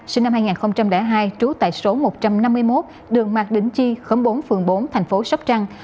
sinh năm hai nghìn hai trú tại số một trăm năm mươi một đường mạc đỉnh chi khóm bốn phường bốn thành phố sóc trăng